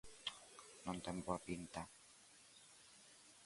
Non ten boa pinta.